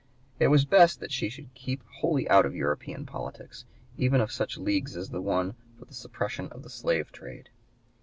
It was best that she should keep wholly out of European politics, even of such leagues as one for the suppression of the slave trade.